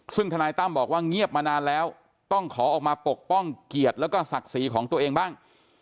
ซึ่งทนายตั้มบอกว่าเงียบมานานแล้วต้องขอออกมาปกป้องเกียรติแล้วก็ศักดิ์ศรีของตัวเองบ้าง